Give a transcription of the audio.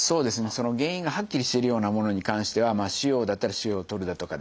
その原因がはっきりしてるようなものに関しては腫瘍だったら腫瘍を取るだとかですね